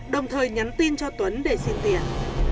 đồng thời nhắn tin cho tuấn để xin tiền